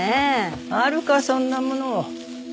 あるかそんなもの